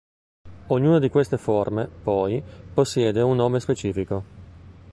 Ognuna di queste forme, poi, possiede un nome specifico.